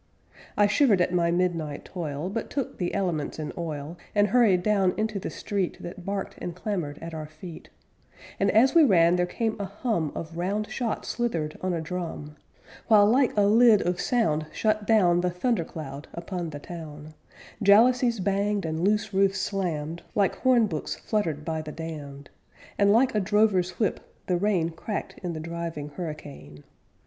I shivered at my midnight toil, But took the elements and oil, And hurried down into the street That barked and clamored at our feet And as we ran there came a hum Of round shot slithered on a drum, While like a lid of sound shut down The thunder cloud upon the town; Jalousies banged and loose roofs slammed, Like hornbooks fluttered by the damned; And like a drover's whip the rain Cracked in the driving hurricane.